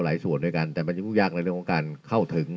ส่วนด้วยกันแต่มันจะยุ่งยากในเรื่องของการเข้าถึง